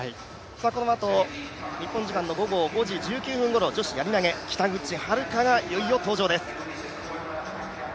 このあと、日本時間午後５時１９分ごろ女子やり投北口榛花がいよいよ登場です。